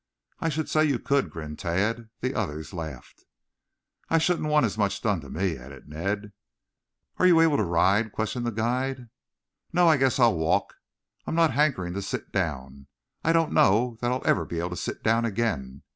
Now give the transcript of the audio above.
"I should say you could," grinned Tad. The others laughed. "I shouldn't want as much done to me," added Ned. "Are you able to ride?" questioned the guide. "No, I guess I'll walk. I'm not hankering to sit down. I don't know that I'll ever be able to sit down again."